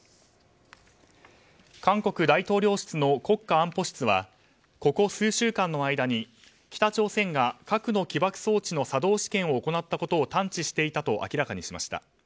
韓国大統領室の国家安保室はここ数週間の間に、北朝鮮が核の起爆装置の作動試験を行ったことを探知していたと明らかにしました。